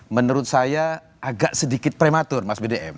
menurut saya agak sedikit prematur mas bdm